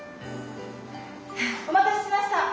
お待たせしました！